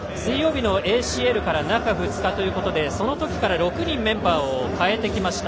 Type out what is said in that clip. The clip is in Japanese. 水曜日のＡＣＬから中２日ということでその時から６人メンバーを代えてきました。